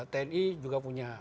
tni juga punya